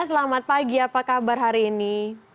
selamat pagi apa kabar hari ini